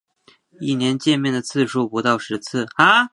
一年见面的次数不到十次